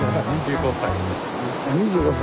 ２５歳。